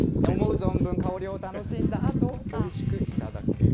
存分香りを楽しんだあと、おいしく頂ける。